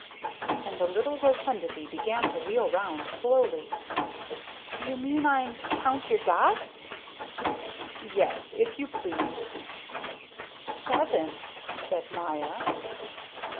And the little rotundity began to wheel round slowly. "You mean I'm to count your dots?" "Yes, if you please." "Seven," said Maya.